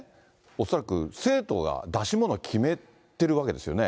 恐らく生徒が出し物決めてるわけですよね。